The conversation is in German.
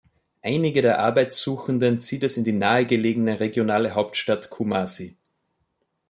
Einige der Arbeitssuchenden zieht es in die nahegelegene regionale Hauptstadt Kumasi.